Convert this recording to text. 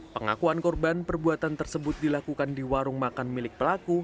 pengakuan korban perbuatan tersebut dilakukan di warung makan milik pelaku